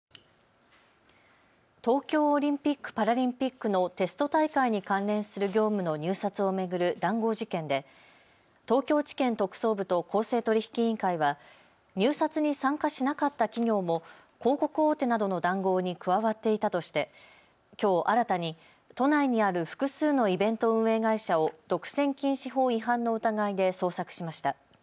東京オリンピック・パラリンピックのテスト大会に関連する業務の入札を巡る談合事件で東京地検特捜部と公正取引委員会は入札に参加しなかった企業も広告大手などの談合に加わっていたとしてきょう新たに都内にある複数のイベント運営会社を独占禁止法違反の疑いで捜索しました。